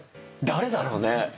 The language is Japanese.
誰だろうね？